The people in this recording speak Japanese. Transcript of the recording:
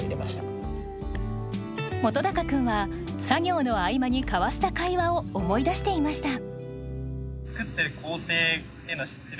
本君は作業の合間に交わした会話を思い出していました。